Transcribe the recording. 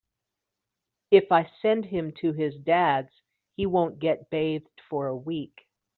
If I send him to his Dad’s he won’t get bathed for a week.